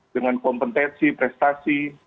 dengan kompetensi prestasi